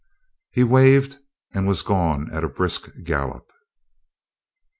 He waved, and was gone at a brisk gallop.